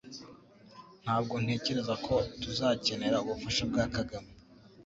Ntabwo ntekereza ko tuzakenera ubufasha bwa Kagame